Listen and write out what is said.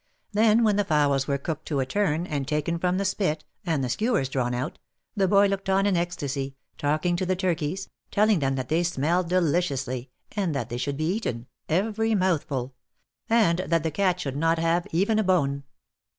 Then when the fowls were cooked to a turn, and taken from the spit, and the skewers drawn out, the boy looked on in ecstasy — talking to the turkeys — telling them that they smelled deliciously, and that they should be eaten — every mouthful — and that the cat should not have even a bone.